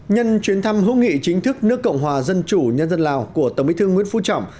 nhân chuyến thăm hữu nghị chính thức nước cộng hòa dân chủ nhân dân lào của tổng bí thư nguyễn phú trọng